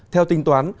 theo tính toán